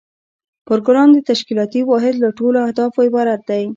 پروګرام د تشکیلاتي واحد له ټولو اهدافو عبارت دی.